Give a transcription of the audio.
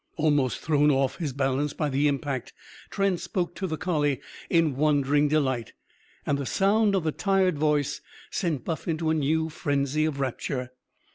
Almost thrown off his balance by the impact, Trent spoke to the collie in wondering delight. And the sound of the tired voice sent Buff into a new frenzy of rapture.